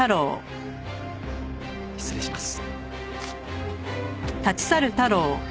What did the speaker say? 失礼します。